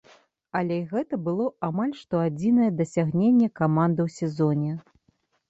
Але гэта было амаль што адзінае дасягненне каманды ў сезоне.